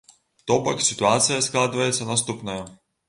То бок сітуацыя складваецца наступная.